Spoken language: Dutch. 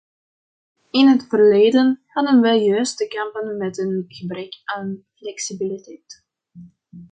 In het verleden hadden we juist te kampen met een gebrek aan flexibiliteit.